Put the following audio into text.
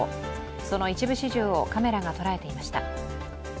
その一部始終をカメラが捉えていました。